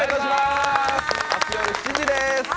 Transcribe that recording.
明日夜７時です。